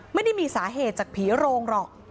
ไม่ได้มีสาเหตุจากผีโรงหรอก